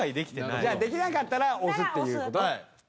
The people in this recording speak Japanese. じゃあできなかったら押すっていう事？